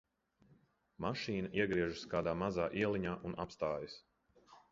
Mašīna iegriežas kādā mazā ieliņā un apstājās.